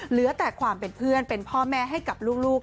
เหลือแต่ความเป็นเพื่อนเป็นพ่อแม่ให้กับลูก